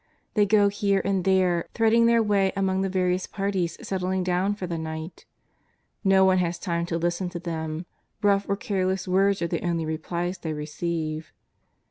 They go here and there, threading their way among the various parties settling down for the night. ~^o one has time to listen to them, rough or careless words are the only replies they receive.